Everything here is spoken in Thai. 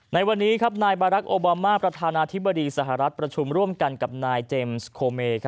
ในวันนี้ครับนายบารักษ์โอบามาประธานาธิบดีสหรัฐ